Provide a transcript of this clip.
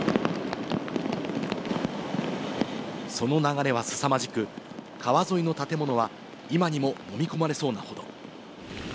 その流れは凄まじく、川沿いの建物は今にも飲み込まれそうなほど。